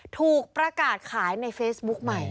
ถูกประกาศขายในเฟซบุ๊กใหม่